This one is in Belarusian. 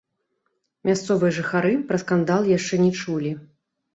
Мясцовыя жыхары пра скандал яшчэ не чулі.